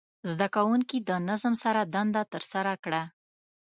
زده کوونکي د نظم سره دنده ترسره کړه.